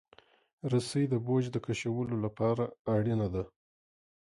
رسۍ د بوج د کشولو لپاره اړینه ده.